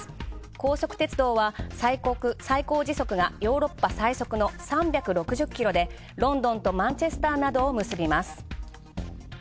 高速鉄道は最高時速がヨーロッパ最速の３６０キロでロンドンとマンチェスターなどを結びます。